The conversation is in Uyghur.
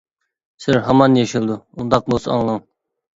سىر ھامان يېشىلىدۇ، ئۇنداق بولسا ئاڭلاڭ.